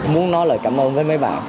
muốn nói lời cảm ơn với mấy bạn